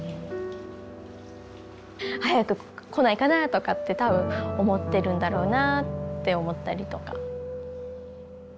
早く来ないかなとかって多分思ってるんだろうなって思ったりとか。